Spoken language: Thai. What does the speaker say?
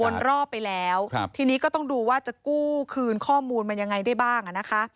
รอบไปแล้วครับทีนี้ก็ต้องดูว่าจะกู้คืนข้อมูลมันยังไงได้บ้างอ่ะนะคะ